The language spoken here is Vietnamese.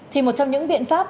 thì một trong những biện pháp